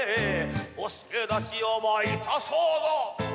「お助太刀をばいたそうぞ」